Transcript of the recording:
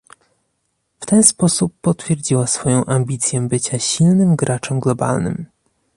W ten sposób potwierdziła swoją ambicję bycia silnym graczem globalnym